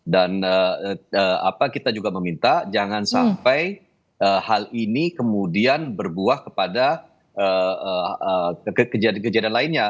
dan kita juga meminta jangan sampai hal ini kemudian berbuah kepada kejadian lainnya